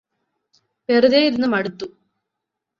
വെറുതെയിരുന്ന് മടുത്തു